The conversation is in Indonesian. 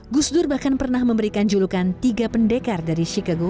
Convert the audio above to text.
gus dur bahkan pernah memberikan julukan tiga pendekar dari chicago